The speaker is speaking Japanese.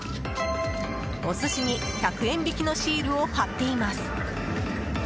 お寿司に１００円引きのシールを貼っています。